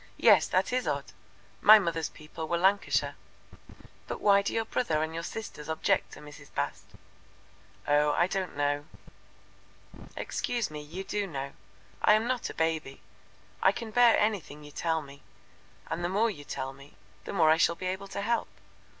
Yes, that is odd. My mother's people were Lancashire. But why do your brother and your sisters object to Mrs. Bast?" "Oh, I don't know." "Excuse me, you do know. I am not a baby. I can bear anything you tell me, and the more you tell the more I shall be able to help.